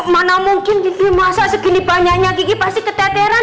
mana mungkin kiki masa segini panjangnya kiki pasti keteteran